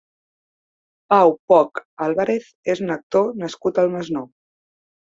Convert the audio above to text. Pau Poch Álvarez és un actor nascut al Masnou.